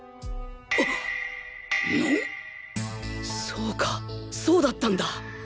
そうかそうだったんだ！